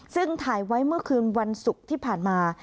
ซึ่งถ่ายไว้เมื่อคืนวันศุกร์ที่ผ่านมา